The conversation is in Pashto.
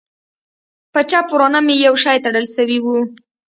په چپ ورانه پورې مې يو شى تړل سوى و.